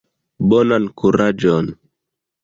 Bonan kuraĝon!